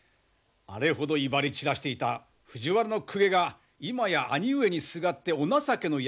あれほど威張り散らしていた藤原の公家が今や兄上にすがってお情けの役職を頂くしかないとは。